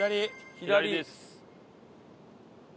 左です。